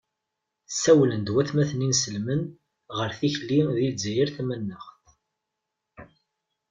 Sawlen-d watmaten inselmen ɣer tikli di lezzayer tamanaɣt.